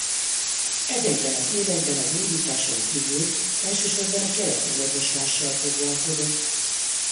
Ezekben az években a gyógyításon kívül elsősorban a keleti orvoslással foglalkozott.